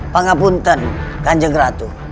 pangapunten kanjeng ratu